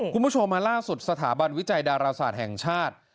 คุณผู้ชมมาล่าสุดสถาบันวิจัยดาราศาสตร์แห่งชาติ